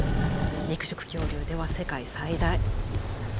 肉食恐竜では世界最大。